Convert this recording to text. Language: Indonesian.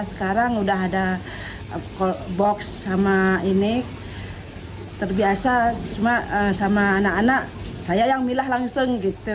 sekarang udah ada box sama ini terbiasa cuma sama anak anak saya yang milah langsung gitu